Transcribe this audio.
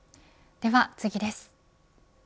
では次です。